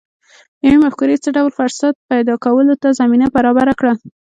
يوې مفکورې څه ډول فرصت پيدا کولو ته زمينه برابره کړه؟